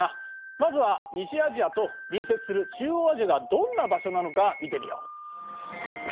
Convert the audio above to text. まずは西アジアと隣接する中央アジアがどんな場所なのか見てみよう。